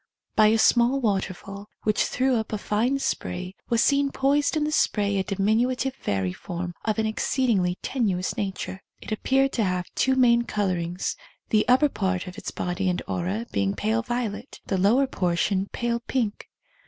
By a small waterfall, which threw up a fine spray, was seen poised in the spray a diminutive fairy form of an exceedingly tenuous nature. It appeared to have two main colourings, the upper part of its body and aura being pale violet, the lower portion pale pink.